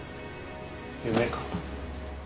夢か。